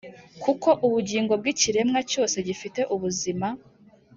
Kuko ubugingo bw ikiremwa cyose gifite ubuzima